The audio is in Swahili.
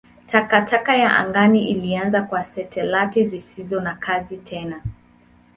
Takataka ya angani ilianza kwa satelaiti zisizo na kazi tena.